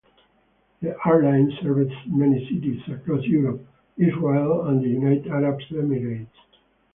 The airline serves many cities across Europe, Israel and the United Arab Emirates.